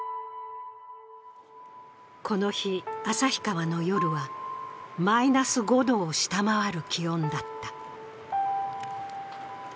この日、旭川の夜はマイナス５度を下回る気温だった。